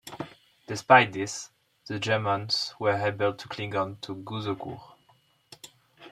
Despite this, the Germans were able to cling on to Gouzeaucourt.